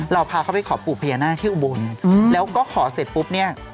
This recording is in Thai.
เราพาเขาไปขอปู่พญานาคที่อุบลแล้วก็ขอเสร็จปุ๊บเนี่ย